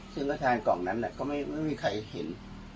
ซึ่งก็ทานกล่องนั้นเนี่ยก็ไม่มีใครเห็น